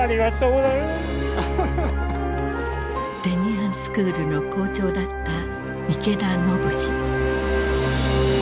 テニアンスクールの校長だった池田信治。